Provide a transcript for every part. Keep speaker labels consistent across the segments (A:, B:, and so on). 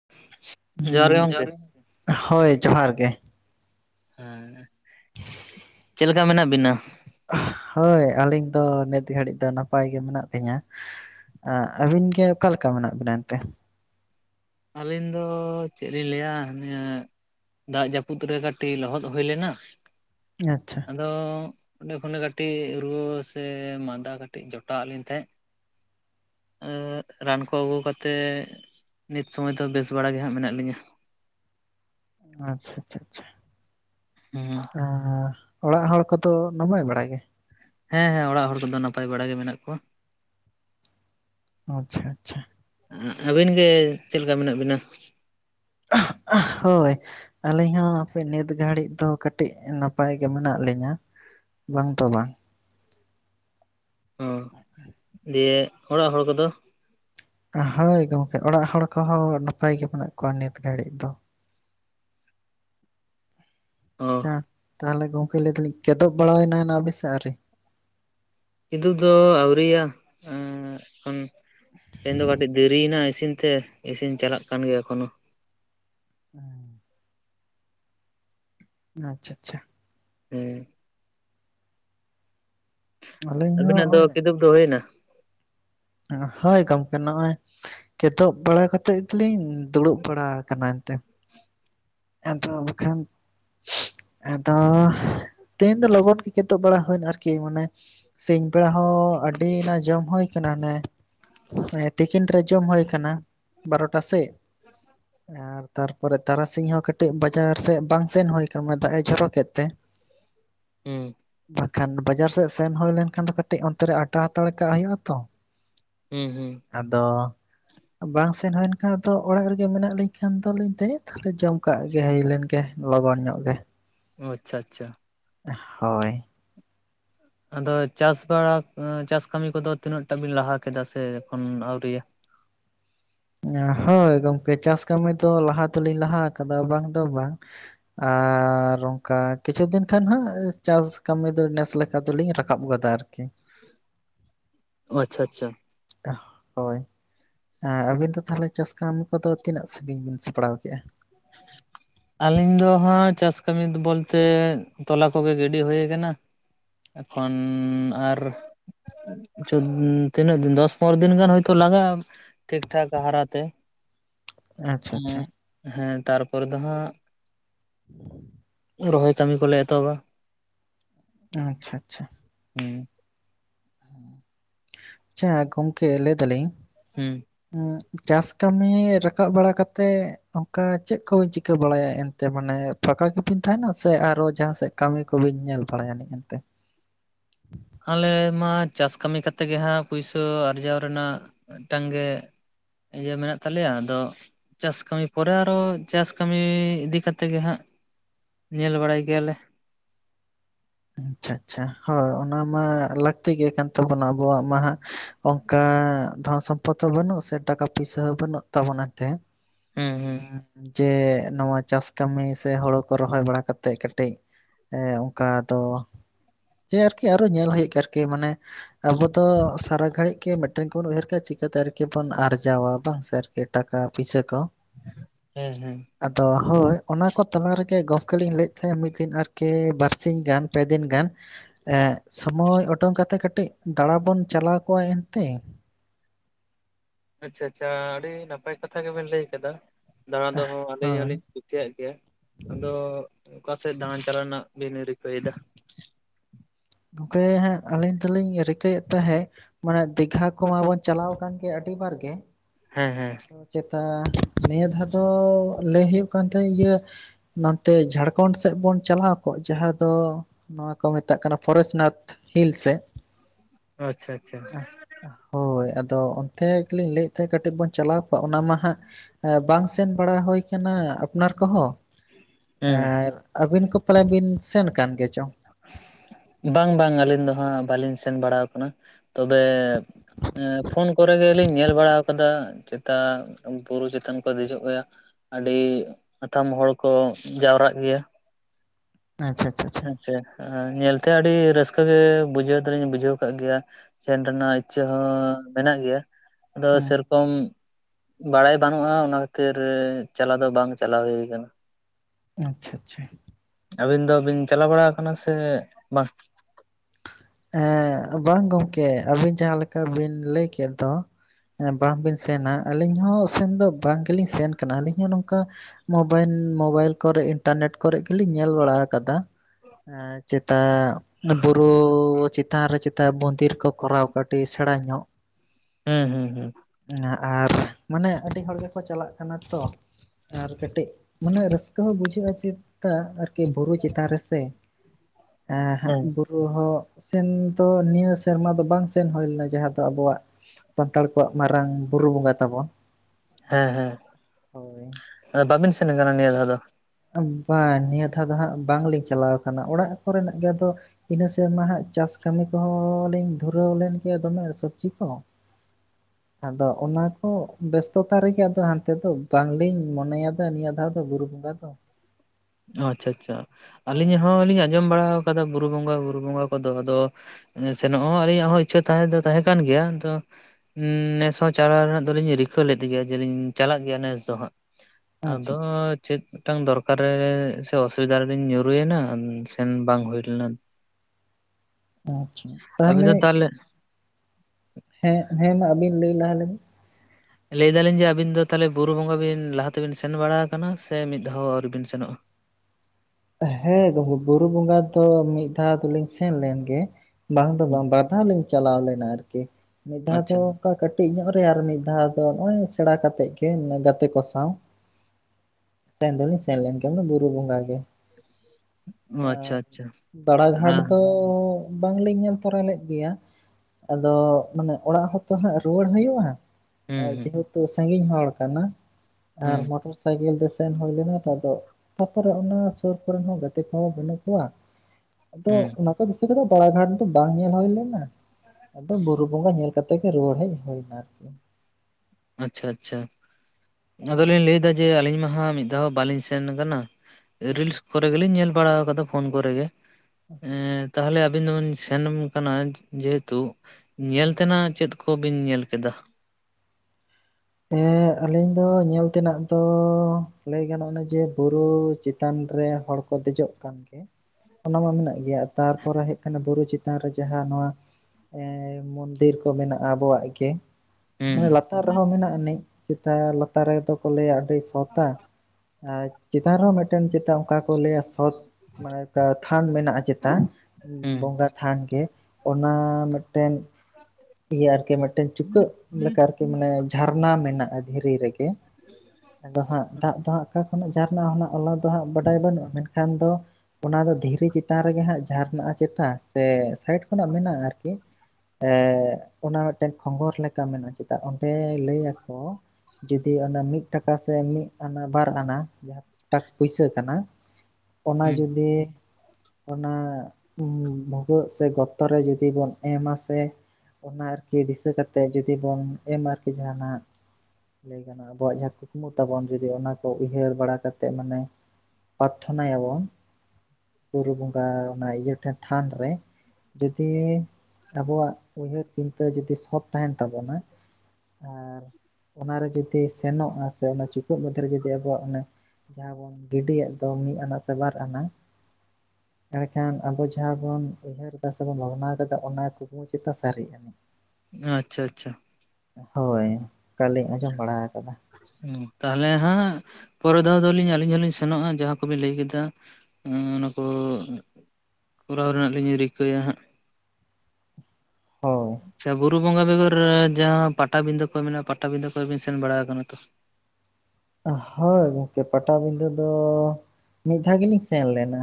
A: [unintelligible]
B: ᱡᱚᱦᱟᱨ ᱜᱮ ᱦᱳᱭ ᱡᱚᱦᱟᱨ ᱜᱮ᱾
A: ᱦᱮᱸ ᱪᱮᱫ ᱞᱮᱠᱟ ᱢᱮᱱᱟᱜ ᱵᱤᱱᱟ?
B: ᱦᱳᱭ ᱟᱹᱞᱤᱧ ᱫᱚ ᱱᱤᱛ ᱜᱷᱟᱹᱲᱤᱡ ᱫᱚ ᱱᱟᱯᱟᱭ ᱜᱮ ᱢᱮᱱᱟᱜ ᱞᱤᱧᱟ᱾ ᱟᱹᱵᱤᱱ ᱜᱮ ᱚᱠᱟᱞᱮᱠᱟ ᱢᱮᱱᱟᱜ ᱵᱤᱱᱟ ᱮᱱᱛᱮ?
A: ᱟᱹᱞᱤᱧ ᱫᱚ ᱪᱮᱫ ᱞᱤᱧ ᱞᱟᱹᱭᱟ ᱱᱤᱭᱟᱹ ᱫᱟᱜ ᱡᱟᱹᱯᱩᱫ ᱨᱮ ᱠᱟᱴᱤᱡ ᱞᱚᱦᱚᱫ ᱦᱳᱭ ᱞᱮᱱᱟ,
B: ᱟᱪᱪᱷᱟ
A: ᱟᱫᱚ ᱚᱸᱰᱮ ᱠᱷᱚᱱ ᱜᱮ ᱠᱟᱴᱤᱡ ᱨᱩᱣᱟᱹ ᱥᱮ ᱢᱟᱫᱟ ᱠᱟᱴᱤᱡ ᱡᱚᱴᱟᱣᱟᱫ ᱞᱤᱧ ᱛᱟᱦᱮᱸᱫ ᱨᱟᱱ ᱠᱚ ᱟᱜᱩ ᱠᱟᱛᱮᱜ ᱱᱤᱛ ᱥᱚᱢᱚᱭ ᱫᱚ ᱵᱮᱥ ᱵᱟᱲᱟᱜ ᱜᱮ ᱦᱟᱸᱜ ᱢᱮᱱᱟᱜ ᱞᱤᱧᱟ᱾
B: ᱟᱪᱪᱷᱟ ᱟᱪᱪᱷᱟ ᱟᱪᱪᱷᱟ
A: ᱦᱮᱸ
B: ᱟᱨ ᱚᱲᱟᱜ ᱦᱚᱲ ᱠᱚᱫᱚ ᱱᱟᱢᱟᱭ ᱵᱟᱲᱟᱭ ᱜᱮ?
A: ᱦᱮᱸ ᱦᱮᱸ ᱚᱲᱟᱜ ᱦᱚᱲ ᱠᱚᱫᱚ ᱱᱟᱯᱟᱭ ᱵᱟᱲᱟ ᱜᱮ ᱢᱮᱱᱟᱜ ᱠᱚᱣᱟ᱾
B: ᱚ ᱟᱪᱪᱷᱟ ᱟᱪᱪᱷᱟ
A: ᱟᱹᱵᱤᱱ ᱜᱮ ᱪᱮᱫ ᱞᱮᱠᱟ ᱢᱮᱱᱟᱜ ᱵᱤᱱᱟ?
B: ᱦᱳᱭ ᱟᱞᱤᱧ ᱦᱚᱸ ᱦᱟᱯᱮ ᱱᱤᱛ ᱜᱷᱟᱲᱤᱡ ᱫᱚ ᱠᱟᱴᱤᱡ ᱱᱟᱯᱟᱭ ᱜᱮ ᱢᱮᱱᱟᱜ ᱞᱤᱧᱟ᱾ ᱵᱟᱝ ᱛᱷᱚ ᱵᱟᱝ
A: ᱚ ᱫᱤᱭᱮ ᱚᱲᱟᱜ ᱦᱚᱲ ᱠᱚᱫᱚ?
B: ᱦᱳᱭ ᱜᱚᱢᱠᱮ ᱚᱲᱟᱜ ᱦᱚᱲ ᱠᱚᱦᱚᱸ ᱱᱟᱯᱟᱭ ᱜᱮ ᱢᱮᱱᱟᱜ ᱠᱚᱣᱟ ᱱᱤᱛ ᱜᱷᱟᱲᱤᱡ ᱫᱚ᱾
A: ᱚ
B: ᱟᱪᱪᱷᱟ ᱛᱟᱦᱚᱞᱮ ᱜᱚᱝᱠᱮ ᱞᱟᱹᱭ ᱫᱟᱞᱤᱧ ᱜᱮᱫᱚᱜ ᱵᱟᱲᱟᱭᱮᱱᱟ ᱱᱟ ᱵᱤᱱ ᱥᱮ ᱟᱣᱨᱤ?
A: ᱠᱤᱫᱩᱜ ᱫᱚ ᱟᱣᱨᱤᱭᱟ ᱮ ᱮᱠᱷᱚᱱ ᱛᱮᱧ ᱫᱚ ᱠᱟᱴᱤᱡ ᱫᱮᱨᱤᱭ ᱱᱟ ᱤᱥᱤᱱ ᱛᱮ ᱤᱥᱤᱱ ᱪᱟᱞᱟᱜ ᱠᱟᱱ ᱜᱮᱭᱟ ᱮᱠᱷᱚᱱᱳ᱾
B: ᱦᱮᱸ ᱟᱪᱪᱷᱟ ᱟᱪᱪᱷᱟ
A: ᱦᱮᱸ
B: ᱟᱹᱞᱤᱧ ᱦᱚᱸ
A: ᱟᱵᱤᱱᱟᱜ ᱫᱚ
B: ᱱᱚᱜᱼᱚᱭ
A: ᱠᱤᱫᱩᱵ ᱫᱚ ᱦᱩᱭᱱᱟ?
B: ᱦᱳᱭ ᱜᱚᱢᱠᱮ ᱱᱚᱜᱼᱚᱭ ᱠᱮᱫᱳᱵ ᱵᱟᱲᱟ ᱠᱟᱛᱮᱫ ᱫᱮᱞᱤᱧ ᱫᱩᱲᱩᱵ ᱵᱟᱲᱟ ᱟᱠᱟᱱᱟ ᱮᱱᱛᱮ᱾
A: [inaudible]
B: ᱟᱫᱚ ᱵᱟᱠᱷᱟᱱ ᱟᱫᱚ ᱛᱮᱱ ᱫᱚ ᱞᱚᱜᱚᱱ ᱜᱮ ᱠᱮᱫᱳᱵ ᱵᱟᱲᱟ ᱦᱩᱭᱱᱟ ᱟᱨᱠᱤ ᱢᱟᱱᱮ ᱥᱤᱧ ᱵᱮᱲᱟ ᱦᱚᱸ ᱟᱰᱤ ᱱᱟ ᱡᱚᱢ ᱦᱩᱭ ᱠᱟᱱᱟ᱾ ᱢᱟᱱᱮ ᱛᱤᱠᱤᱱ ᱨᱮ ᱡᱚᱢ ᱦᱩᱭ ᱠᱟᱱᱟ ᱵᱟᱨᱚᱴᱟ ᱥᱮᱜ ᱟᱨ ᱛᱟᱨᱯᱚᱨᱮ ᱛᱟᱨᱟᱥᱤᱧ ᱦᱚᱸ ᱠᱟᱴᱤᱡ ᱵᱟᱡᱟᱨ ᱥᱮᱫ ᱵᱟᱝ ᱥᱮᱱ ᱦᱩᱭ ᱠᱟᱱᱟ ᱫᱟᱜ ᱮ ᱡᱚᱨᱚ ᱠᱮᱫ ᱛᱮ
A: ᱦᱮᱸ
B: ᱵᱟᱠᱷᱟᱱ ᱵᱟᱡᱟᱨ ᱥᱮᱫ ᱥᱮᱱ ᱦᱩᱭ ᱞᱮᱱᱠᱷᱟᱱ ᱫᱚ ᱠᱟᱴᱤᱡ ᱚᱱᱛᱮ ᱨᱮ ᱟᱴᱟ ᱦᱟᱛᱟᱲ ᱠᱟᱜ ᱦᱩᱭᱩᱜᱼᱟ ᱛᱚ
A: ᱦᱩᱸ ᱦᱩᱸ
B: ᱟᱫᱚ ᱵᱟᱝ ᱥᱮᱱ ᱦᱩᱭᱮᱱᱠᱷᱟᱱ ᱟᱫᱚ ᱚᱲᱟᱜ ᱨᱮᱜᱮ ᱢᱮᱱᱟᱜ ᱞᱤᱧ ᱠᱷᱟᱱ ᱫᱚᱞᱤᱧ ᱫᱮᱫ ᱡᱚᱢ ᱠᱟᱜ ᱜᱮ ᱦᱮᱭ ᱞᱮᱱ ᱜᱮ ᱞᱚᱜᱚᱱ ᱧᱚᱜ ᱜᱮ᱾
A: ᱳ ᱟᱪᱪᱷᱟ ᱟᱪᱪᱷᱟ
B: ᱦᱳᱭ
A: ᱟᱫᱚ ᱪᱟᱥ ᱵᱟᱲᱟ ᱪᱟᱥ ᱠᱟᱢᱤ ᱠᱚᱫᱚ ᱛᱤᱱᱟᱹᱜ ᱴᱟᱜ ᱵᱤᱱ ᱞᱟᱦᱟ ᱠᱮᱫᱟ ᱥᱮ ᱮᱠᱷᱚᱱ ᱟᱹᱣᱨᱤᱭᱟ?
B: ᱦᱳᱭ ᱜᱚᱢᱠᱮ ᱪᱟᱥ ᱠᱟᱢᱤ ᱫᱚ ᱞᱟᱦᱟ ᱫᱚᱞᱤᱧ ᱞᱟᱦᱟ ᱠᱟᱫᱟ ᱵᱟᱝ ᱫᱚ ᱵᱟᱝ ᱟᱨ ᱚᱱᱠᱟ ᱠᱤᱪᱷᱩ ᱫᱤᱱ ᱠᱷᱟᱱ ᱦᱟᱜ ᱪᱟᱥ ᱠᱟᱢᱤ ᱫᱚ ᱱᱮᱥ ᱞᱮᱠ ᱠᱟ ᱫᱚᱞᱤᱧ ᱨᱟᱠᱟᱵ ᱟᱠᱟᱫᱟ ᱟᱨᱠᱤ᱾
A: ᱟᱪᱪᱷᱟ ᱟᱪᱪᱷᱟ
B: ᱦᱳᱭ ᱟᱹᱵᱤᱱ ᱫᱚ ᱛᱟᱦᱚᱞᱮ ᱪᱟᱥ ᱠᱟᱹᱢᱤ ᱠᱚᱫᱚ ᱛᱤᱱᱟᱹᱜ ᱥᱟᱺᱜᱤᱧ ᱵᱤᱱ ᱥᱟᱯᱲᱟᱣ ᱠᱮᱜᱼᱟ?
A: ᱟᱹᱞᱤᱧ ᱫᱚ ᱦᱟᱸᱜ ᱪᱟᱥ ᱠᱟᱹᱢᱤ ᱵᱚᱞᱛᱮ ᱛᱚᱞᱟ ᱠᱚᱜᱮ ᱜᱤᱰᱤ ᱦᱩᱭ ᱟᱠᱱᱟ᱾ ᱮᱠᱷᱚᱱᱻ ᱟᱨ ᱪᱳᱫ ᱛᱤᱱᱟᱹᱜ ᱫᱤᱱ ᱫᱚᱥ ᱯᱚᱱᱨᱚ ᱫᱤᱱ ᱜᱟᱱ ᱦᱳᱭᱛᱳ ᱞᱟᱜᱟᱜᱼᱟ ᱴᱷᱤᱠ ᱴᱷᱟᱠ ᱦᱟᱨᱟᱛᱮ ᱾
B: ᱟᱪᱪᱷᱟ
A: ᱮᱸ
B: ᱟᱪᱪᱷᱟ
A: ᱦᱮᱸ ᱛᱟᱨᱯᱚᱨᱮ ᱫᱚ ᱦᱟᱸᱜ ᱨᱚᱦᱚᱭ ᱠᱟᱹᱢᱤ ᱠᱚᱞᱮ ᱮᱛᱚᱦᱚᱵᱟ ᱾
B: ᱟᱪᱪᱷᱟ ᱟᱪᱪᱷᱟ ᱾
A: ᱦᱩᱸ ᱾
B: ᱟᱪᱪᱷᱟ ᱜᱚᱝᱠᱮ ᱞᱟᱹᱭ ᱫᱟᱞᱤᱧ
A: ᱦᱮᱸ ᱾
B: ᱩᱸ ᱪᱟᱥ ᱠᱟᱹᱢᱤ ᱨᱟᱠᱟᱵ ᱵᱟᱲᱟ ᱠᱟᱛᱮᱜ ᱚᱱᱠᱟ ᱪᱮᱜ ᱠᱚ ᱪᱤᱠᱟᱹ ᱵᱟᱲᱟᱭᱟ, ᱮᱱᱛᱮ ᱢᱟᱱᱮ ᱯᱷᱟᱠᱟ ᱜᱮᱵᱤᱱ ᱛᱟᱦᱮᱱᱟ ᱥᱮ ᱟᱨᱚ ᱡᱟᱦᱟᱸ ᱥᱮᱫ ᱠᱟᱹᱢᱤ ᱠᱚᱵᱤᱱ ᱧᱮᱞ ᱵᱟᱲᱟᱭᱟ ᱱᱤᱦᱟᱹᱛᱮ?
A: ᱟᱞᱮ ᱢᱟ ᱪᱟᱥ ᱠᱟᱹᱢᱤ ᱠᱟᱛᱮ ᱜᱮ ᱦᱟᱸᱜ ᱯᱩᱭᱥᱟᱹ ᱟᱨᱡᱟᱣ ᱨᱮᱱᱟᱜ ᱢᱤᱫᱴᱟᱝ ᱜᱮ ᱤᱭᱟᱹ ᱢᱮᱱᱟᱜ ᱛᱟᱞᱮᱭᱟ, ᱟᱫᱚ ᱪᱟᱥ ᱠᱟᱹᱢᱤ ᱯᱚᱨᱮ ᱟᱨᱚ ᱪᱟᱥ ᱠᱟᱹᱢᱤ ᱤᱫᱤ ᱠᱟᱛᱮ ᱜᱮ ᱦᱟᱸᱜ ᱧᱮᱞ ᱵᱟᱲᱟᱭ ᱜᱮᱭᱟᱞᱮ ᱾
B: ᱟᱪᱪᱷᱟ ᱟᱪᱪᱷᱟ, ᱦᱳᱭ ᱚᱱᱟ ᱢᱟ ᱞᱟᱹᱠᱛᱤ ᱜᱮ ᱠᱟᱱ ᱛᱟᱵᱚᱱᱟ ᱟᱵᱚᱣᱟᱜ ᱢᱟ ᱦᱟᱸᱜ ᱾ ᱚᱝᱠᱟ ᱫᱷᱚᱱ ᱥᱚᱢᱯᱚᱛ ᱦᱚᱸ ᱵᱟᱹᱱᱩᱜᱼᱟ ᱥᱮ ᱴᱟᱠᱟ ᱯᱩᱭᱥᱟᱹ ᱦᱚᱸ ᱵᱟᱹᱱᱩᱜ ᱛᱟᱵᱚᱱᱟ ᱮᱱᱛᱮ
A: ᱦᱩᱸ
B: ᱾
A: ᱦᱩᱸ
B: ᱦᱮᱸ ᱾ ᱡᱮ ᱱᱚᱣᱟ ᱪᱟᱥ ᱠᱟᱹᱢᱤ ᱥᱮ ᱦᱳᱲᱳ ᱠᱚ ᱨᱚᱦᱚᱭ ᱵᱟᱲᱟ ᱠᱟᱛᱮᱫ ᱠᱟᱹᱴᱤᱡ ᱮ ᱚᱝᱠᱟ ᱛᱚ ᱡᱮ ᱟᱨᱠᱤ ᱟᱨᱚ ᱧᱮᱞ ᱦᱩᱭᱩᱜ ᱜᱮ ᱟᱨᱠᱤ ᱢᱟᱱᱮ ᱟᱵᱚ ᱫᱚ ᱥᱟᱨᱟ ᱜᱷᱟᱹᱲᱤᱡ ᱜᱮ ᱢᱤᱫᱴᱮᱱ ᱜᱮᱵᱚᱱ ᱩᱭᱦᱟᱹᱨ ᱠᱟᱜᱼᱟ ᱪᱤᱠᱟᱹᱛᱮ ᱟᱨᱠᱤ ᱵᱚᱱ ᱟᱨᱡᱟᱣᱟ ᱵᱟᱝ ᱥᱮ ᱟᱨ ᱠᱤ ᱴᱟᱠᱟ ᱯᱩᱭᱥᱟᱹ ᱠᱚ ᱾
A: ᱦᱮᱸ ᱦᱮᱸ ᱾
B: ᱟᱫᱚ ᱦᱳᱭ ᱚᱱᱟᱠᱚ ᱛᱟᱞᱟ ᱨᱮᱜᱮ ᱜᱚᱢᱠᱮ ᱞᱤᱧ ᱞᱟᱹᱭᱮᱫ ᱛᱟᱦᱮ ᱢᱤᱫ ᱫᱤᱱ ᱟᱨᱠᱤ ᱵᱟᱨ ᱥᱤᱧ ᱜᱟᱱ ᱯᱮ ᱫᱤᱱ ᱜᱟᱱ ᱮᱜ ᱥᱚᱢᱚᱭ ᱚᱴᱚᱝ ᱠᱟᱛᱮ ᱠᱟᱹᱴᱤᱡ ᱫᱟᱬᱟ ᱵᱚᱱ ᱪᱟᱞᱟᱣ ᱠᱚᱜᱼᱟ ᱮᱱᱛᱮ ᱾
A: ᱟᱪᱪᱷᱟ, ᱟᱪᱪᱷᱟ, ᱟᱹᱰᱤ ᱱᱟᱯᱟᱭ ᱠᱟᱛᱷᱟ ᱜᱮᱵᱮᱱ ᱞᱟᱹᱭ ᱠᱟᱫᱟ ᱾ ᱫᱟᱬᱟ ᱫᱚᱦᱚ ᱟᱹᱞᱤᱧ
B: ᱦᱳᱭ
A: ᱦᱚᱞᱤᱧ ᱠᱩᱥᱤᱭᱟᱜ ᱜᱮᱭᱟ, ᱟᱫᱚ ᱚᱠᱟ ᱥᱮᱫ ᱫᱟᱬᱟᱱ ᱪᱟᱞᱟᱣ ᱨᱮᱱᱟᱜ ᱵᱤᱱ ᱨᱤᱠᱟᱹᱭᱮᱫᱟ?
B: ᱜᱚᱝᱠᱮ ᱦᱟᱸᱜ ᱟᱹᱞᱤᱧ ᱫᱚᱞᱤᱧ ᱨᱤᱠᱟᱹᱭᱮᱫ ᱛᱟᱦᱮᱸᱜ ᱢᱟᱱᱮ ᱫᱤᱜᱷᱟ ᱠᱚᱢᱟᱵᱚᱱ ᱪᱟᱞᱟᱣ ᱟᱠᱟᱱ ᱜᱮ ᱟᱹᱰᱤ ᱵᱟᱨ ᱜᱮ,
A: ᱦᱮᱸ ᱦᱮᱸ ᱾
B: ᱟᱫᱚ ᱪᱮᱛᱟ ᱱᱤᱭᱟᱹ ᱫᱷᱟᱣ ᱫᱚ ᱞᱟᱹᱭ ᱦᱩᱭᱩᱜ ᱠᱟᱱ ᱛᱟᱦᱮ ᱤᱭᱟᱹ ᱱᱚᱱᱛᱮ ᱡᱷᱟᱲᱠᱷᱚᱸᱰ ᱥᱮᱫ ᱵᱚᱱ ᱪᱟᱞᱟᱣ ᱠᱚᱜ ᱡᱟᱦᱟᱸ ᱫᱚ ᱱᱚᱣᱟ ᱠᱚ ᱢᱮᱛᱟᱜ ᱠᱟᱱᱟ ᱯᱷᱚᱨᱮᱥᱱᱟᱛᱷ ᱦᱤᱞ ᱥᱮᱜ ᱾
A: ᱟᱪᱪᱷᱟ ᱟᱪᱪᱷᱟ ᱾
B: ᱦᱳᱭ, ᱟᱫᱚ ᱚᱱᱛᱮ ᱜᱮᱞᱤᱧ ᱞᱟᱹᱭᱮᱫ ᱛᱟᱦᱮᱸᱜ ᱠᱟᱹᱴᱤᱡ ᱵᱚᱱ ᱪᱟᱞᱟᱣ ᱠᱚᱜ ᱚᱱᱟ ᱢᱟ ᱦᱟᱸᱜ ᱮ ᱵᱟᱝ ᱥᱮᱱ ᱵᱟᱲᱟ ᱦᱩᱭ ᱟᱠᱟᱱᱟ ᱟᱯᱱᱟᱨ ᱠᱚᱦᱚᱸ ᱾
A: ᱦᱮᱸ
B: ᱟᱨ ᱟᱹᱵᱤᱱ ᱠᱚ ᱯᱟᱞᱮ ᱵᱤᱱ ᱥᱮᱱ ᱠᱟᱱ ᱜᱮᱭᱟ ᱪᱚᱝ?
A: ᱵᱟᱝ ᱵᱟᱝ ᱟᱹᱞᱤᱧ ᱫᱚ ᱦᱟᱸᱜ ᱵᱟᱹᱞᱤᱧ ᱥᱮᱱ ᱵᱟᱲᱟᱣ ᱠᱟᱱᱟ ᱾ ᱛᱚᱵᱮ ᱮ ᱯᱷᱳᱱ ᱠᱚᱨᱮ ᱜᱮᱞᱤᱧ ᱧᱮᱞ ᱵᱟᱲᱟᱣ ᱠᱟᱫᱟ ᱪᱮᱛᱟ ᱵᱩᱨᱩ ᱪᱮᱛᱟᱱ ᱠᱚ ᱫᱮᱡᱚᱜ ᱜᱮᱭᱟ ᱾ ᱟᱹᱰᱤ ᱟᱛᱷᱟᱢ ᱦᱚᱲ ᱠᱚ ᱡᱟᱣᱨᱟᱜ ᱜᱮᱭᱟ ᱾
B: ᱟᱪᱪᱷᱟ ᱟᱪᱪᱷᱟ ᱟᱪᱪᱷᱟ ᱾
A: ᱦᱮᱸᱪᱮ ᱟ ᱧᱮᱞᱛᱮ ᱟᱹᱰᱤ ᱨᱟᱹᱥᱠᱟᱹ ᱜᱮ ᱵᱩᱡᱷᱟᱹᱣ ᱫᱚᱞᱤᱧ ᱵᱩᱡᱷᱟᱹᱣ ᱠᱟᱜ ᱜᱮᱭᱟ ᱾ ᱥᱮᱱ ᱨᱮᱱᱟᱜ ᱤᱪᱪᱷᱟᱹ ᱦᱚᱸ ᱢᱮᱱᱟᱜ ᱜᱮᱭᱟ, ᱟᱫᱚ
B: ᱦᱩᱸ
A: ᱥᱮᱨᱚᱠᱚᱢ ᱵᱟᱲᱟᱭ ᱵᱟᱹᱱᱩᱜᱼᱟ ᱚᱱᱟ ᱠᱷᱟᱹᱛᱤᱨ ᱪᱟᱞᱟᱣ ᱫᱚ ᱵᱟᱝ ᱪᱟᱞᱟᱣ ᱦᱩᱭ ᱟᱠᱟᱱᱟ
B: ᱟᱪᱪᱷᱟ ᱟᱪᱪᱷᱟ᱾
A: ᱟᱹᱵᱤᱱ ᱫᱚᱵᱤᱱ ᱪᱟᱞᱟᱣ ᱵᱟᱲᱟ ᱠᱟᱱᱟ ᱥᱮ ᱵᱟ
B: ᱮᱸ ᱵᱟᱝ ᱜᱚᱢᱠᱮ ᱟᱹᱵᱤᱱ ᱡᱟᱦᱟᱸ ᱞᱮᱠᱟ ᱵᱤᱱ ᱞᱟᱹᱭ ᱠᱮᱫ ᱫᱚ ᱵᱟᱝᱵᱤᱱ ᱥᱮᱱᱟ ᱟᱹᱞᱤᱧ ᱦᱚᱸ ᱥᱮᱱ ᱫᱚ ᱵᱟᱝ ᱜᱮᱞᱤᱧ ᱥᱮᱱ ᱠᱟᱱᱟ ᱟᱹᱞᱤᱧ ᱦᱚᱸ ᱱᱚᱝᱠᱟ ᱢᱚᱵᱮᱱ ᱢᱚᱵᱟᱭᱤᱞ ᱠᱚᱨᱮ ᱤᱱᱴᱟᱨᱱᱮᱴ ᱠᱚᱨᱮ ᱜᱮᱞᱤᱧ ᱧᱮᱞ ᱵᱟᱲᱟ ᱟᱠᱟᱫᱟ᱾ ᱦᱮᱸ ᱪᱮᱛᱟᱜ ᱵᱩᱨᱩ ᱪᱮᱛᱟᱱ ᱨᱮ ᱪᱮᱛᱟᱱ ᱢᱚᱱᱫᱤᱨ ᱠᱚ ᱠᱚᱨᱟᱣ ᱠᱟᱹᱴᱤᱡ ᱥᱮᱬᱟ ᱧᱚᱜ
A: ᱦᱩᱸ ᱦᱩᱸ ᱦᱩᱸ
B: ᱟᱨ ᱢᱟᱱᱮ ᱟᱹᱰᱤ ᱦᱚᱲ ᱜᱮᱠᱚ ᱪᱟᱞᱟᱜ ᱠᱟᱱᱟ ᱛᱚ ᱟᱨ ᱠᱟᱹᱴᱤᱡ ᱢᱟᱱᱮ ᱨᱟᱹᱥᱠᱟᱹ ᱦᱚᱸ ᱵᱩᱡᱷᱟᱹᱜᱼᱟ ᱪᱮᱫᱟᱜ ᱟᱨᱠᱤ ᱵᱩᱨᱩ ᱪᱮᱛᱟᱱ ᱨᱮᱥᱮ ᱦᱮᱸ ᱦᱮᱸ ᱵᱩᱨᱩ ᱵᱩᱨᱩ ᱦᱚᱸ ᱥᱮᱱ ᱫᱚ ᱱᱤᱭᱟᱹ ᱥᱮᱨᱢᱟ ᱫᱚ ᱵᱟᱝ ᱥᱮᱱ ᱦᱩᱭ ᱞᱮᱱᱟ ᱡᱟᱦᱟᱸ ᱫᱚ ᱟᱵᱚᱣᱟᱜ ᱥᱟᱱᱛᱟᱲ ᱠᱚᱣᱟᱜ ᱢᱟᱨᱟᱝ ᱵᱩᱨᱩ ᱵᱚᱸᱜᱟ ᱛᱟᱵᱚᱱ
A: ᱦᱮᱸ ᱦᱮᱸ
B: ᱦᱳᱭ
A: ᱟᱫᱚ ᱵᱟᱵᱤᱱ ᱥᱮᱱ ᱟᱠᱟᱱᱟ ᱱᱤᱭᱟᱹ ᱫᱷᱟᱣ ᱫᱚ?
B: ᱵᱟᱝ ᱱᱤᱭᱟᱹ ᱫᱷᱟᱣ ᱫᱚ ᱦᱟᱸᱜ ᱵᱟᱝᱞᱤᱧ ᱪᱟᱞᱟᱣ ᱠᱟᱱᱟ ᱚᱲᱟᱜ ᱠᱚᱨᱮᱱᱟᱜ ᱜᱮ ᱟᱫᱚ ᱤᱱᱟᱹ ᱥᱮᱨᱢᱟ ᱦᱟᱸᱜ ᱪᱟᱥ ᱠᱟᱹᱢᱤ ᱠᱚᱦᱚᱸ ᱞᱤᱧ ᱫᱷᱩᱨᱟᱹᱣ ᱞᱮᱱ ᱜᱮᱭᱟ ᱫᱚᱢᱮ ᱥᱚᱵᱽᱡᱤ ᱠᱚ [inaudible] ᱟᱫᱚ ᱚᱱᱟ ᱠᱚ ᱵᱮᱥᱛᱚᱛᱟ ᱨᱮᱜᱮ ᱟᱫᱚ ᱦᱟᱱᱛᱮ ᱫᱚ ᱵᱟᱝᱞᱤᱧ ᱢᱚᱱᱮᱭᱮᱫ ᱱᱤᱭᱟᱹ ᱫᱷᱟᱣ ᱫᱚ ᱵᱩᱨᱩ ᱵᱚᱸᱜᱟ ᱫᱚ
A: ᱚ ᱟᱪᱪᱷᱟ ᱟᱪᱪᱷᱟ ᱟᱹᱞᱤᱧ
B: ᱦᱳᱭ
A: ᱦᱚᱸ ᱟᱸᱞᱤᱧ ᱟᱸᱡᱚᱢ ᱵᱟᱲᱟ ᱟᱠᱟᱫᱟ ᱵᱩᱨᱩ ᱵᱚᱸᱜᱟ ᱵᱩᱨᱩ ᱵᱚᱸᱜᱟ ᱠᱚᱫᱚ ᱟᱫᱚ ᱮᱸ ᱥᱮᱱᱚᱜ ᱦᱚᱸ ᱟᱹᱞᱤᱧᱟᱜ ᱦᱚᱸ ᱤᱪᱪᱷᱟᱹ ᱛᱟᱦᱮᱸ ᱫᱚ ᱛᱟᱦᱮᱸ ᱠᱟᱱ ᱜᱮᱭᱟ ᱛᱚ ᱱᱮᱥ ᱦᱚᱸ ᱪᱟᱞᱟᱣ ᱨᱮᱱᱟᱜ ᱫᱚᱞᱤᱧ ᱨᱤᱠᱟᱹ ᱞᱮᱫ ᱜᱮᱭᱟ ᱡᱮᱞᱤᱧ ᱪᱟᱞᱟᱜ ᱜᱮᱭᱟ ᱱᱮᱥ ᱫᱚ ᱦᱟᱸᱟᱜ
B: ᱟᱪᱪᱷᱟ
A: ᱟᱫᱚ
B: ᱟᱪᱪᱷᱟ
A: ᱪᱮᱫ ᱢᱤᱫᱴᱟᱝ ᱫᱚᱨᱠᱟᱨ ᱨᱮ ᱥᱮ ᱚᱥᱩᱵᱤᱫᱟ ᱨᱮᱞᱤᱧ ᱧᱩᱨᱩᱭᱮᱱᱟ ᱥᱮᱱ ᱵᱟᱝ ᱦᱩᱭ ᱞᱮᱱᱟ᱾
B: ᱟᱪᱪᱷᱟ
A: ᱟᱵᱤᱱ ᱫᱚ
B: ᱛᱟᱦᱚᱞᱮ
A: ᱛᱟᱦᱞᱮ
B: ᱦᱮᱸ ᱦᱮᱸ ᱢᱟ ᱟᱵᱤᱱ ᱞᱟᱹᱭ ᱞᱟᱦᱟᱞᱮ ᱵᱤᱱ
A: ᱞᱟᱹᱭ ᱫᱟᱞᱤᱧ ᱡᱮ ᱟᱹᱵᱤᱱ ᱫᱚ ᱛᱟᱦᱞᱮ ᱵᱩᱨᱩ ᱵᱚᱸᱜᱟ ᱵᱤᱱ ᱞᱟᱦᱟ ᱛᱮᱵᱤᱱ ᱥᱮᱱ ᱵᱟᱲᱟ ᱟᱠᱟᱱᱟ ᱥᱮ ᱢᱤᱫ ᱫᱷᱟᱣ ᱟᱹᱣᱨᱤᱵᱤᱱ ᱥᱮᱱᱚᱜᱼᱟ᱾
B: ᱦᱮᱸ ᱜᱚᱝᱠᱮ ᱵᱩᱨᱩ ᱵᱚᱸᱜᱟ ᱫᱚ ᱢᱤᱫ ᱫᱷᱟᱣ ᱫᱚᱞᱤᱧ ᱥᱮᱱ ᱞᱮᱱ ᱜᱮ ᱵᱟᱝ ᱫᱚ ᱵᱟᱝ ᱵᱟᱨ ᱫᱷᱟᱣ ᱞᱤᱧ ᱪᱟᱞᱟᱣ ᱞᱮᱱᱟ ᱟᱨᱠᱤ ᱢᱤᱫ ᱫᱷᱟᱣ ᱫᱚ
A: ᱟᱪᱪᱷᱟ
B: ᱚᱱᱠᱟ ᱠᱟᱹᱴᱤᱡ ᱧᱚᱜ ᱨᱮ ᱟᱨ ᱢᱤᱫ ᱫᱷᱟᱣ ᱫᱚ ᱱᱚᱜᱼᱚᱭ ᱥᱮᱬᱟ ᱠᱟᱛᱮᱫ ᱜᱮ ᱜᱟᱛᱮ ᱠᱚ ᱥᱟᱶ ᱥᱮᱱ ᱫᱚ ᱞᱤᱧ ᱥᱮᱱ ᱞᱮ ᱜᱤᱭᱟ ᱢᱟᱱᱮ ᱵᱩᱨᱩ ᱵᱟᱸᱜᱟ ᱜᱮ
A: ᱟᱪᱪᱷᱟ ᱟᱪᱪᱷᱟ
B: ᱵᱟᱲᱟᱜᱷᱟᱴ ᱫᱚ ᱵᱟᱝᱞ ᱧᱤᱞ ᱛᱚᱨᱟ ᱞᱮᱫ ᱜᱮᱭᱟ ᱟᱫᱚ ᱢᱟᱱᱮ ᱚᱲᱟᱜ ᱦᱚᱸᱛᱚ ᱦᱟᱸᱜ ᱨᱩᱣᱟᱹᱲ ᱦᱩᱭᱩᱜᱼᱟ᱾
A: ᱦᱩᱸ
B: ᱟᱨ
A: ᱦᱩᱸ
B: ᱡᱮᱦᱮᱛᱩ ᱥᱟᱺᱜᱤᱧ ᱦᱚᱲ ᱠᱟᱱᱟ ᱟᱨ
A: ᱦᱩᱸ
B: ᱢᱚᱴᱚᱨ ᱥᱟᱭᱠᱮᱞ ᱫᱚ ᱥᱮᱱ ᱦᱩᱭ ᱞᱮᱱᱟ ᱛᱚ ᱟᱫᱚ ᱛᱟᱨᱯᱚᱨᱮ ᱚᱱᱟ ᱥᱩᱨ ᱠᱚᱨᱮᱱ ᱦᱚᱸ ᱜᱟᱛᱮ ᱠᱚᱦᱚᱸ ᱵᱟᱹᱱᱩᱜ ᱠᱚᱣᱟ᱾ ᱟᱫᱚ
A: ᱦᱩᱸ
B: ᱚᱱᱟ ᱠᱚ ᱫᱤᱥᱟᱹ ᱠᱟᱫᱟ ᱵᱟᱲᱟ ᱜᱷᱟᱴ ᱫᱚ ᱵᱟᱝ ᱧᱮᱞ ᱦᱩᱭ ᱞᱮᱱᱟ ᱟᱫᱚ ᱵᱩᱨᱩ ᱵᱚᱸᱜᱟ ᱧᱮᱞ ᱦᱩ ᱠᱟᱛᱮ ᱜᱮ ᱨᱩᱟᱹᱲ ᱦᱮᱡ ᱦᱩᱭᱱᱟ ᱟᱨᱠᱤ
A: ᱟᱪᱪᱷᱟ ᱟᱪᱪᱷᱟ
B: ᱦᱳᱭ
A: ᱟᱫᱚᱞᱤᱧ ᱞᱟᱹᱭ ᱮᱫᱟ ᱡᱮ ᱟᱹᱞᱤᱧᱢᱟᱦᱟᱸ ᱢᱤᱫ ᱫᱷᱟᱣ ᱦᱚᱸ ᱵᱟᱞᱤᱧ ᱥᱮᱱ ᱟᱠᱟᱱᱟ
B: ᱟᱪᱪᱷᱟ
A: ᱨᱤᱞᱥ
B: ᱟᱪᱪᱷᱟ
A: ᱠᱚᱨᱮ ᱜᱮᱞᱤᱧ ᱧᱮᱞ ᱵᱟᱲᱟᱣ ᱟᱠᱟᱫᱟ ᱯᱷᱳᱱ ᱠᱚᱨᱮ ᱜᱮ
B: ᱟᱪᱪᱷᱟ
A: ᱮᱸ
B: ᱟᱪᱪᱷᱟ᱾
A: ᱛᱟᱦᱚᱞᱮ ᱟᱵᱤᱱ ᱫᱚᱵᱤᱱ ᱥᱮᱱ ᱠᱟᱱᱟ ᱡᱮᱦᱮᱛᱩ ᱧᱮᱞ
B: ᱦᱳᱭ
A: ᱛᱮᱱᱟᱜ ᱪᱮᱫ ᱠᱚᱵᱤᱱ ᱧᱮᱞ ᱠᱮᱫᱟ᱾
B: ᱦᱮᱸ ᱟᱹᱞᱤᱧ ᱫᱚ ᱧᱮᱞ ᱛᱮᱱᱟᱜ ᱫᱚ ᱞᱟᱹᱭ ᱜᱟᱱᱚᱜᱼᱟ ᱱᱟ ᱡᱮ ᱵᱩᱨᱩ ᱪᱮᱛᱟᱱ ᱨᱮ ᱦᱚᱲ ᱠᱚ ᱠᱚ ᱫᱮᱡᱚᱜ ᱠᱟᱱ ᱜᱮ ᱚᱱᱟ ᱢᱟ ᱢᱮᱱᱟᱜ ᱜᱮᱭᱟ ᱛᱟᱨᱯᱚᱨᱟ ᱦᱮᱠᱟᱱᱟ ᱵᱩᱨᱩ ᱪᱮᱛᱟᱱ ᱨᱮ ᱡᱟᱦᱟᱸ ᱱᱚᱣᱟ ᱮᱸ ᱢᱚᱱᱫᱤᱨ ᱠᱚ ᱢᱮᱱᱟᱜᱼᱟ ᱟᱵᱚᱣᱟᱜ ᱜᱮ᱾
A: ᱦᱩᱸ
B: ᱢᱟᱱᱮ ᱞᱟᱛᱟᱨ ᱨᱮᱦᱚᱸ ᱢᱮᱱᱟᱜ ᱟᱹᱱᱤᱡ ᱪᱮᱛᱟ ᱞᱟᱛᱟᱨ ᱨᱮᱫᱚ ᱠᱚ ᱞᱟᱹᱭᱟ ᱟᱹᱰᱤ ᱥᱛᱟ᱾ ᱟᱨ ᱪᱮᱛᱟᱱ ᱨᱮᱦᱚᱸ ᱢᱤᱫᱴᱮᱱ ᱪᱮᱛᱟᱱ ᱚᱱᱠᱟ ᱠᱚ ᱞᱟᱹᱭᱟ ᱥᱚᱛ ᱢᱟᱱᱮ ᱛᱷᱟᱱ ᱢᱮᱱᱟᱜᱼᱟ ᱪᱮᱛᱟ?
A: ᱦᱩᱸ
B: ᱵᱚᱸᱜᱟ ᱛᱷᱟᱱ ᱜᱮ ᱚᱱᱟ ᱢᱤᱫᱴᱮᱱ,
A: [inaudible]
B: ᱤᱭᱟᱹ ᱟᱨᱠᱤ ᱢᱤᱫᱴᱮᱱ ᱪᱩᱠᱟᱹᱜ ᱞᱮᱠᱟ ᱟᱨᱠᱤ ᱢᱟᱱᱮ ᱡᱷᱟᱨᱱᱟ ᱢᱮᱱᱟᱜᱼᱟ ᱫᱷᱤᱨᱤ ᱨᱮᱜᱮ᱾ ᱟᱫᱚ ᱦᱟᱸᱜ ᱫᱟᱜ ᱫᱚ ᱦᱟᱸᱜ ᱟᱠᱟ ᱠᱷᱚᱱᱟᱜ ᱡᱷᱟᱨᱱᱟᱜ ᱟᱜ ᱚᱱᱟ ᱫᱚ ᱦᱟᱸᱜ ᱵᱟᱰᱟᱭ ᱵᱟᱹᱱᱩᱜᱼᱟ ᱢᱮᱱᱠᱷᱟᱱ ᱫᱚ, ᱚᱱᱟ ᱫᱚ ᱫᱷᱤᱨᱤ ᱪᱮᱛᱟᱱ ᱨᱮᱜᱮ ᱦᱟᱸᱜ ᱡᱷᱟᱨᱱᱟᱜ ᱪᱮᱛᱟ ᱥᱮ ᱥᱟᱹᱭᱤᱰ ᱠᱷᱚᱱᱟᱜ ᱢᱮᱱᱟᱜ-ᱟ ᱟᱨᱠᱤ᱾ ᱮ ᱚᱱᱟ ᱢᱤᱫᱴᱮᱱ ᱠᱷᱚᱸᱜᱚᱨ ᱞᱮᱠᱟ ᱢᱮᱱᱟᱜᱼᱟ ᱪᱤᱛᱟ ᱚᱸᱰᱮ ᱞᱟᱹᱭ ᱟᱠᱚ, ᱡᱩᱫᱤ ᱚᱱᱟ ᱢᱤᱫ ᱴᱟᱠᱟ ᱥᱮ ᱢᱤᱫ ᱟᱱᱟ ᱵᱟᱨ ᱟᱱᱟ ᱡᱟᱦᱟᱸ ᱴᱟᱠ ᱯᱩᱭᱥᱟᱹ ᱠᱟᱱᱟ ᱚᱱᱟ
A: ᱦᱩᱸ
B: ᱡᱩᱫᱤ, ᱚᱱᱟ ᱵᱷᱩᱜᱟᱹᱜ ᱥᱮ ᱜᱚᱛᱚᱨᱮ ᱡᱩᱫᱤ ᱵᱚᱱ ᱮᱢᱟ ᱥᱮ? ᱚᱱᱟ ᱟᱨᱠᱤ ᱫᱤᱥᱟᱹ ᱠᱟᱛᱮᱫ ᱡᱩᱫᱤ ᱵᱚᱱ ᱮᱢ ᱟᱨᱠᱤ ᱡᱟᱦᱟᱱᱟᱜ, ᱞᱟᱹᱭ ᱜᱟᱱᱚᱜ-ᱟ ᱟᱵᱚᱣᱟᱜ ᱡᱟᱦᱟᱸ ᱠᱩᱠᱢᱩ ᱛᱟᱵᱚᱱ ᱡᱩᱫᱤ ᱚᱱᱟ ᱠᱚ ᱩᱭᱦᱟᱹᱨ ᱵᱟᱲᱟ ᱠᱟᱛᱮᱫ ᱢᱟᱱᱮ, ᱯᱟᱨᱛᱷᱚᱱᱟ ᱭᱟᱵᱚᱱ᱾ ᱵᱩᱨᱩ ᱵᱚᱸᱜᱟ ᱚᱱᱟ ᱤᱭᱟᱹ ᱴᱷᱮᱱ ᱛᱷᱟᱱ ᱨᱮ ᱡᱩᱫᱤ ᱟᱵᱩᱣᱟᱜ, ᱩᱭᱦᱟᱹᱨ ᱪᱤᱱᱛᱟᱹ ᱡᱩᱫᱤ ᱥᱚᱛ ᱛᱟᱦᱮᱱ ᱛᱟᱵᱚᱱᱟ ᱟᱨ, ᱚᱱᱟᱨᱮ ᱡᱩᱫᱤ ᱥᱮᱱᱚᱜᱼᱟ ᱥᱮ ᱚᱱᱟ ᱪᱤᱠᱟᱹᱜ ᱢᱚᱫᱽᱫᱷᱮ ᱨᱮ ᱡᱩᱫᱤ ᱟᱵᱚᱣᱟᱜ ᱚᱱᱮ, ᱡᱟᱦᱟᱸ ᱵᱚᱱ ᱜᱤᱰᱤᱭᱮᱫ ᱫᱚ ᱢᱤᱫ ᱟᱱᱟ ᱥᱮ ᱵᱟᱨ ᱟᱱᱟ, ᱮᱸᱰᱮᱠᱷᱟᱱ ᱟᱵᱚ ᱡᱟᱦᱟᱸ ᱵᱚᱱ ᱩᱭᱦᱟᱹᱨ ᱮᱫᱟ ᱥᱮᱵᱩᱱ ᱵᱷᱟᱵᱽᱱᱟ ᱟᱠᱟᱫᱟ ᱚᱱᱟ ᱠᱩᱠᱢᱩ ᱪᱟ ᱪᱮᱛᱟ ᱥᱟᱹᱨᱤ ᱟᱹᱱᱤᱡ᱾
A: ᱟᱪᱪᱷᱟ ᱟᱪᱪᱷᱟ᱾
B: ᱦᱳᱭ ᱚᱠᱟᱞᱤᱧ ᱟᱸᱡᱚᱢ ᱵᱟᱲᱟ ᱠᱟᱫᱟ᱾
A: ᱛᱟᱦᱚᱞᱮ ᱦᱟᱸᱜ ᱯᱚᱨᱮ ᱫᱷᱟᱣ ᱫᱚᱞᱤᱧ ᱟᱹᱞᱤᱧ ᱦᱚᱞᱤᱧ ᱥᱮᱱᱚᱜᱼᱟ ᱡᱟᱦᱟᱸ ᱠᱚᱵᱤᱱ ᱞᱟᱹᱭ ᱠᱮᱫᱟ? ᱱᱟ ᱱᱩᱠᱩ, ᱠᱚᱨᱟᱣ ᱨᱮᱱᱟᱜ ᱞᱤᱧ ᱨᱤᱠᱟᱹᱭᱟ ᱦᱟᱸᱜ᱾
B: ᱦᱳᱭ᱾
A: ᱪᱷᱮ ᱵᱩᱨᱩ ᱵᱚᱸᱜᱟ ᱵᱮᱜᱚᱨ ᱡᱟᱦᱟᱸ ᱯᱟᱴᱟᱵᱤᱸᱫᱟᱹ ᱠᱚ ᱢᱮᱱᱟᱜᱼᱟ ᱯᱟᱴᱟᱵᱤᱸᱫᱟᱹ ᱠᱚ ᱵᱤᱱ ᱥᱮᱱ ᱵᱟᱲᱟ ᱠᱟᱱᱟ ᱛᱚ᱾
B: ᱦᱳᱭ ᱜᱚᱝᱠᱮ ᱯᱟᱴᱟᱵᱤᱸᱫᱟᱹ ᱫᱚ, ᱢᱤᱫ ᱫᱷᱟᱣ ᱜᱮᱞᱤᱧ ᱥᱮᱱ ᱞᱮᱱᱟ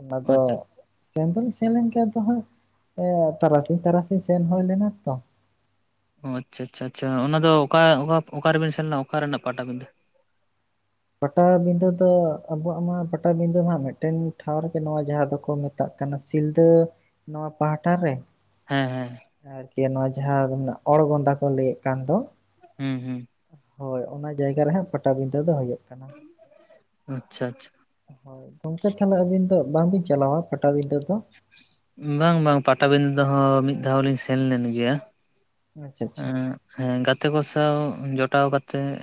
B: ᱚᱱᱟ ᱫᱚ,
A: ᱟᱪᱪᱷᱟ
B: ᱥᱮᱱ ᱫᱚᱞᱤᱧ ᱥᱮᱱ ᱞᱮᱱ ᱜᱮᱭᱟ ᱫᱚ ᱦᱟᱸᱜ ᱛᱟᱨᱟᱥᱤᱧ ᱛᱟᱨᱟᱥᱤᱧ ᱥᱮᱱ ᱦᱩᱭ ᱞᱮᱱᱟ ᱛᱚ᱾
A: ᱚ ᱟᱪᱪᱷᱟ ᱟᱪᱪᱷᱟ ᱟᱪᱪᱷᱟ ᱚᱱᱟᱫᱚ ᱚᱠᱟ ᱚᱠᱟ ᱚᱠᱟᱨᱵᱤᱱ ᱥᱮᱱ ᱞᱮᱱᱟ ᱚᱠᱟ ᱨᱮᱱᱟᱜ ᱯᱟᱴᱟᱵᱤᱸᱫᱟᱹ᱾
B: ᱯᱟᱴᱟᱵᱤᱸᱫᱟᱹ ᱫᱚ ᱟᱵᱚᱣᱟᱜ ᱢᱟ ᱯᱟᱴᱟᱵᱤᱸᱫᱟᱹ ᱦᱟᱸᱜ ᱢᱤᱫᱴᱮᱱ ᱴᱷᱟᱶ ᱨᱮᱜᱮ ᱱᱚᱣᱟ ᱡᱟᱦᱟᱸ ᱫᱚᱠᱚ ᱢᱮᱛ ᱛᱟᱜ ᱠᱟᱱᱟ ᱥᱤᱞᱫᱟᱹ ᱱᱚᱣᱟ ᱯᱟᱦᱴᱟ ᱨᱮ᱾
A: ᱦᱮᱸ ᱦᱮᱸ᱾
B: ᱟᱨᱠᱤ ᱱᱚᱣᱟ ᱡᱟᱦᱟᱸ ᱚᱲᱜᱚᱸᱫᱟ ᱠᱚ ᱞᱟᱹᱭᱮᱫ ᱠᱟᱱ ᱫᱚ᱾
A: ᱦᱩᱸ ᱦᱩᱸ,
B: ᱦᱳᱭ ᱚᱱᱟ ᱡᱟᱭᱜᱟ ᱨᱮᱦᱟᱸᱜ ᱯᱟᱴᱟᱵᱤᱸᱫᱟᱹ ᱫᱚ ᱦᱳᱭᱳᱜ ᱠᱟᱱᱟ᱾
A: ᱦᱩᱸ ᱟᱪᱪᱷᱟ ᱟᱪᱪᱷᱟ
B: ᱦᱳᱭ, ᱜᱚᱝᱠᱮ ᱛᱷᱟᱞᱮ ᱟᱹᱵᱤᱱ ᱫᱚ ᱵᱟᱝᱵᱤᱱ ᱪᱟᱞᱟᱣᱟ ᱯᱟᱴᱟᱵᱤᱸᱫᱟᱹ ᱫᱚ?
A: ᱵᱟᱝ ᱵᱟᱝ ᱯᱟᱴᱟᱵᱤᱱᱫᱟᱹ ᱦᱚᱸ ᱢᱤᱫ ᱫᱷᱟᱣ ᱞᱤᱧ ᱥᱮᱱ ᱞᱮᱱ ᱜᱮᱭᱟ᱾
B: ᱟᱪᱪᱷᱟ ᱟᱪᱪᱷᱟ
A: ᱦᱮᱸ ᱜᱟᱛᱮ ᱠᱚ ᱥᱟᱶ ᱡᱚᱴᱟᱣ ᱠᱟᱛᱮᱜ᱾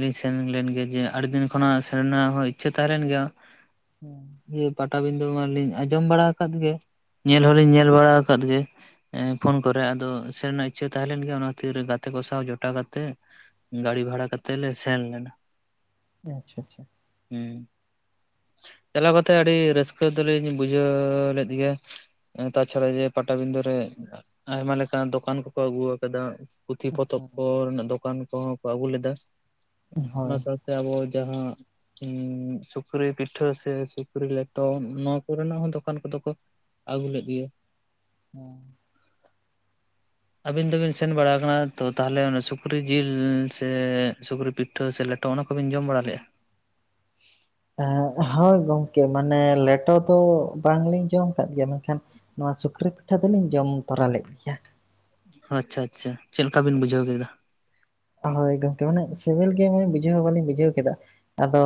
A: ᱞᱤᱧ ᱥᱮᱱ ᱞᱮᱱ ᱜᱮ ᱡᱮ ᱟᱹᱰᱤ ᱫᱤᱱ ᱠᱷᱚᱱᱟᱜ ᱥᱮᱱ ᱨᱮᱱᱟᱜ ᱦᱚᱸ ᱤᱪᱪᱷᱟᱹ ᱛᱟᱦᱮᱸ ᱞᱮᱱ ᱜᱮᱭᱟ᱾
B: ᱦᱩᱸ,
A: ᱤᱭᱮ ᱯᱟᱴᱟᱵᱤᱸᱱᱫᱟᱹ ᱢᱟᱞᱤᱧ ᱟᱸᱡᱚᱢ ᱵᱟᱲᱟ ᱟᱠᱟᱫ ᱜᱮ, ᱧᱮᱞ ᱦᱚᱞᱤᱧ ᱧᱮᱞ ᱵᱟᱲᱟ ᱟᱠᱟᱫ ᱜᱮ᱾ ᱯᱷᱳᱱ
B: ᱦᱮᱸ
A: ᱠᱚᱨᱮ ᱟᱫᱚ ᱥᱮᱱ ᱨᱮᱱᱟᱜ ᱤᱪᱪᱷᱟᱹ ᱛᱟᱦᱮᱸ ᱞᱮᱱ ᱜᱮᱭᱟ ᱚᱱᱟ ᱠᱷᱟᱹᱛᱤᱨ ᱜᱟᱛᱮ ᱠᱚ ᱥᱟᱶ ᱡᱚᱴᱟᱣ ᱠᱟᱛᱮᱜ, ᱜᱟᱹᱲᱤ ᱵᱷᱟᱲᱟ ᱠᱟᱛᱮᱜ ᱞᱮ ᱥᱮᱱ ᱞᱮᱱᱟ᱾
B: ᱟᱪᱷᱟ ᱪᱷᱟ
A: ᱦᱩᱸ ᱪᱟᱞᱟᱣ ᱠᱟᱛᱮᱜ ᱟᱹᱰᱤ ᱨᱟᱹᱥᱠᱟᱹ ᱫᱚᱞᱤᱧᱼᱼ ᱵᱩᱡᱷᱟᱹᱣ ᱞᱮᱫ ᱜᱮᱭᱟ ᱛᱟᱪᱷᱟᱲᱟ ᱡᱮ ᱯᱟᱴᱟᱵᱤᱱᱫᱷᱟᱹ ᱨᱮ ᱟᱭᱢᱟ ᱞᱮᱠᱟᱱ ᱫᱚᱠᱟᱱᱼᱼ ᱠᱚ ᱟᱹᱜᱩ ᱟᱠᱟᱫᱟ ᱯᱩᱛᱷᱤ ᱯᱚᱛᱚᱵ ᱠᱚ ᱨᱮᱱᱟᱜ ᱫᱚᱠᱟᱱ ᱠᱚᱦᱚᱸ ᱠᱚ ᱟᱹᱜᱩ ᱞᱮᱫᱟ᱾
B: ᱦᱮᱸ
A: ᱚᱱᱟ
B: ᱦᱳᱭ
A: ᱥᱟᱶᱛᱮ ᱟᱵᱚ ᱡᱟᱦᱟᱸᱼᱼ ᱦᱩᱸ ᱥᱩᱠᱨᱤ ᱯᱤᱴᱷᱟᱹ ᱥᱮ ᱥᱩᱠᱨᱤ ᱞᱮᱴᱚ ᱱᱚᱣᱟ ᱠᱚᱨᱮᱱᱟᱜ ᱦᱚᱸ ᱫᱚᱠᱟᱱ ᱠᱚᱫᱚ ᱠᱚ ᱟᱹᱜᱩ ᱞᱮᱫ ᱜᱤᱭᱟᱹ᱾
B: ᱦᱩᱸ
A: ᱟᱹᱵᱤᱱ ᱫᱚᱵᱤᱱ ᱥᱮᱱ ᱵᱟᱲᱟ ᱟᱠᱟᱱᱟ ᱛᱚ ᱛᱟᱦᱚᱞᱮ ᱚᱱᱟ ᱥᱩᱠᱨᱤ ᱡᱤᱞ ᱥᱮ ᱥᱩᱠᱨᱤ ᱯᱤᱼᱼ ᱴᱷᱟᱹ ᱥᱮ ᱞᱮᱴᱚ ᱚᱱᱟ ᱠᱚᱵᱤᱱ ᱡᱚᱢ ᱵᱟᱲᱟ ᱞᱮᱼᱟ?
B: ᱦᱳᱭ ᱜᱚᱢᱠᱮ ᱢᱟᱱᱮ ᱞᱮᱴᱚ ᱫᱚ ᱵᱟᱝᱞᱤᱧ ᱡᱚᱢ ᱟᱠᱟᱫ ᱜᱮᱭᱟ ᱢᱮᱱ ᱠᱷᱟᱱᱼᱼ ᱱᱚᱣᱟ ᱥᱩᱠᱨᱤ ᱯᱤᱴᱷᱟᱹ ᱫᱚᱞᱤᱧ ᱡᱚᱢ ᱛᱚᱨᱟ ᱞᱮᱫ ᱜᱮᱭᱟ᱾
A: ᱟᱪᱪᱷᱟ ᱟᱪᱪᱷᱟ ᱪᱮᱫ ᱞᱮᱠᱟ ᱵᱤᱱ ᱵᱩᱡᱷᱟᱹᱣ ᱠᱮᱫᱟ?
B: ᱦᱳᱭ ᱜᱚᱢᱠᱮ ᱢᱟᱱᱮ ᱥᱤᱵᱤᱞ ᱜᱮ ᱢᱮ ᱵᱩᱡᱷᱟᱹᱣ ᱵᱟᱟᱹᱞᱤᱧ ᱵᱩᱡᱷᱟᱹᱣ ᱠᱮᱫᱟ ᱟᱫᱚᱼᱼ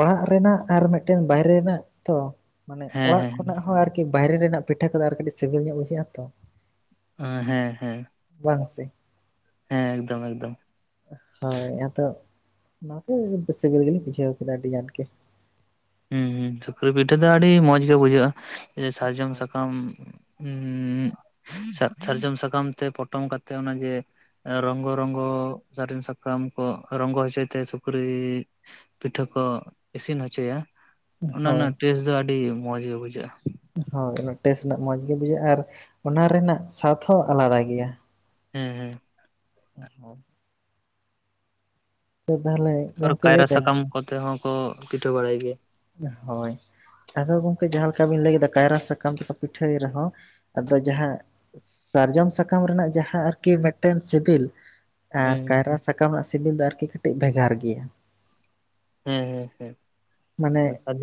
B: ᱚᱲᱟᱜ ᱨᱮᱱᱟᱜ ᱟᱨ ᱢᱤᱫᱴᱮᱱ ᱵᱟᱭᱨᱮ ᱨᱮᱱᱟᱜ ᱛᱚᱼᱼ ᱢᱟᱱᱮ
A: ᱦᱮᱸ
B: ᱚᱲᱟᱜ
A: ᱦᱮᱸ
B: ᱠᱷᱚᱱᱟᱜ ᱦᱚᱸ ᱟᱨᱠᱤ ᱵᱟᱭᱨᱮ ᱨᱮᱱᱟᱜ ᱯᱤᱴᱷᱟᱹ ᱠᱚᱫᱚ ᱟᱨ ᱠᱟᱹᱴᱤᱡ ᱥᱤᱵᱤᱞ ᱧᱚᱜ ᱵᱩᱡᱷᱟᱹᱜ ᱟ ᱛᱚ
A: ᱚᱻ ᱦᱮᱸ ᱦᱮᱸ
B: ᱵᱟᱝ ᱥᱮ
A: ᱦᱮᱸ ᱮᱠᱫᱚᱢ ᱮᱠᱫᱚᱢ
B: ᱦᱳᱭ ᱟᱫᱚ ᱱᱚᱣᱟᱛᱮ ᱥᱤᱵᱤᱞ ᱜᱮᱞᱤᱧ ᱵᱩᱡᱷᱟᱹᱣ ᱠᱮᱫᱟ ᱟᱹᱰᱤ ᱟᱹᱴ ᱜᱮ
A: ᱦᱮᱸ ᱦᱮᱸ ᱥᱩᱠᱨᱤ ᱯᱤᱴᱷᱟᱹ ᱫᱚ ᱟᱹᱰᱤ ᱢᱚᱸᱡ ᱜᱮ ᱵᱩᱡᱷᱟᱹᱜᱼᱟ ᱥᱟᱨᱡᱚᱢ
B: ᱦᱳᱭ᱾
A: ᱥᱟᱠᱟᱢᱼᱼ ᱩ ᱥᱟᱨᱡᱚᱢ ᱥᱟᱠᱟᱢ ᱛᱮ ᱯᱚᱴᱚᱢ ᱠᱟᱛᱮ ᱚᱱᱟᱜᱮᱼᱼ ᱨᱚᱝᱜ ᱨᱚᱝᱜᱚ ᱥᱟᱨᱤᱢ ᱥᱟᱠᱟᱢ ᱠᱚ ᱨᱚᱝᱜᱚ ᱦᱚᱪᱚᱭᱛᱮ ᱥᱩᱠᱨᱤᱼᱼ ᱯᱤᱴᱷᱟᱹ ᱠᱚ ᱤᱥᱤᱱ ᱦᱚᱪᱚᱭᱟ ᱚᱱᱟ
B: ᱦᱳᱭ
A: ᱨᱮᱱᱟᱜ ᱴᱮᱥᱴ ᱫᱚ ᱟᱹᱰᱤ ᱢᱚᱸᱡᱽ ᱜᱤ ᱵᱩᱡᱷᱟᱹᱜᱼᱟ᱾
B: ᱦᱳᱭ ᱚᱱᱟ ᱴᱮᱥᱴ ᱨᱮᱱᱟᱜ ᱢᱚᱸᱡᱽ ᱜᱮ ᱵᱩᱡᱷᱟᱹᱜᱼᱟ ᱟᱨ ᱚᱱᱟ ᱨᱮᱱᱟᱜ ᱥᱟᱫ ᱦᱚᱸ ᱟᱞᱟᱫᱟ ᱜᱮᱭᱟ᱾
A: ᱦᱮᱸ ᱦᱮᱸ
B: ᱦᱚᱸ ᱛᱟᱦᱞᱮᱼᱼ
A: ᱟᱨ ᱠᱟᱭᱨᱟ ᱥᱟᱠᱟᱢ ᱠᱚᱛᱮ ᱦᱚᱸᱠᱚ ᱯᱤᱴᱷᱟᱹ ᱵᱟᱲᱟᱭ ᱜᱮᱭᱟ᱾
B: ᱦᱳᱭ ᱟᱫᱚ ᱜᱚᱝᱠᱮ ᱡᱟᱦᱟᱸᱞᱮᱠᱟ ᱵᱤᱱ ᱞᱟᱹᱭ ᱠᱮᱫᱟ ᱠᱟᱭᱨᱟ ᱥᱟᱠᱟᱢ ᱛᱠᱚ ᱯᱤᱴᱷᱟᱹᱭ ᱨᱮᱦᱚᱸᱼᱼ ᱟᱫᱚ ᱡᱟᱦᱟᱸ ᱥᱟᱨᱡᱚᱢ ᱥᱟᱠᱟᱢ ᱨᱮᱱᱟᱜ ᱡᱟᱦᱟᱸ ᱟᱨᱠᱤ ᱢᱤᱫᱴᱮᱱ ᱥᱤᱵᱤᱞᱼᱼ ᱟᱨ
A: ᱦᱮᱸ
B: ᱠᱟᱭᱨᱟ ᱥᱟᱠᱟᱢ ᱨᱮᱱᱟᱜ ᱥᱤᱵᱤᱞ ᱫᱚ ᱟᱨᱠᱤ ᱠᱟᱹᱴᱤᱡ ᱵᱷᱮᱜᱟᱨ ᱜᱮᱭᱟ᱾
A: ᱦᱮᱸ ᱦᱮᱸ ᱦᱮᱸ
B: ᱢᱟᱱᱮᱼᱼ
A: ᱥᱟᱨᱡᱚᱢ